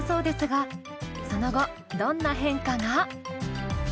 その後どんな変化が？